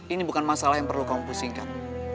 ini bukan masalah yang perlu kamu pusingkan